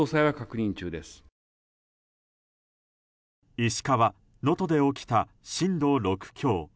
石川・能登で起きた震度６強。